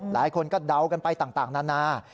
หลายคนก็เดากันไปต่างนานา